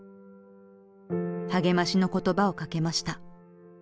励ましの言葉をかけました。